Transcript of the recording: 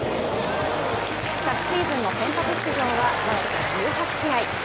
昨シーズンの先発出場は僅か１８試合。